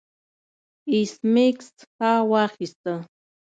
ایس میکس ساه واخیسته